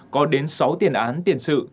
có đến sáu tiền án tiền sự